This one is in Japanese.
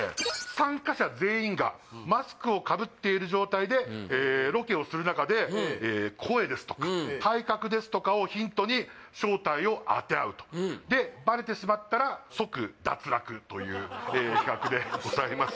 参加者全員がマスクをかぶっている状態でロケをする中で声ですとか体格ですとかをヒントに正体を当て合うとでバレてしまったら即脱落という企画でございます